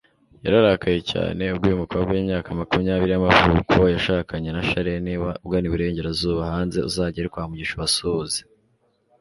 yararakaye cyane ubwo uyu mukobwa w'imyaka makumyabiri yamavuko yashakanye na Charlie niba ugana iburengerazuba hanze uzagere kwa mugisha ubasuhuze